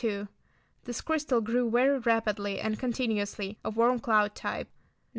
This crystal grew very rapidly and continuously; a warm cloud type. No.